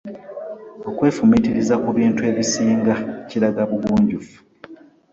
okwefumittiriza ku bintu ebisinga kiraga bugunjufu